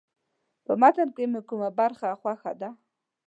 په متن کې مو کومه برخه خوښه ده.